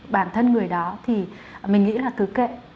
bản thân người đó thì mình nghĩ là cứ kệ